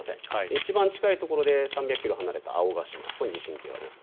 一番近いところで３００ｋｍ離れた青ヶ島、ここには地震計があります。